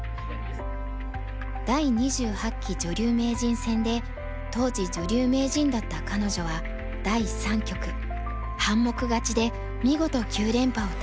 第２８期女流名人戦で当時女流名人だった彼女は第３局半目勝ちで見事９連覇を達成。